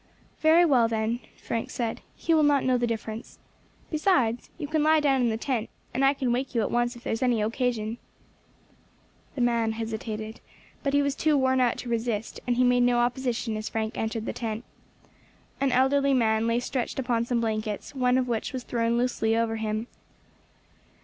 "Very well, then," Frank said, "he will not know the difference. Besides, you can lie down in the tent, and I can wake you at once if there is any occasion." The man hesitated; but he was too worn out to resist, and he made no opposition as Frank entered the tent. An elderly man lay stretched upon some blankets, one of which was thrown loosely over him.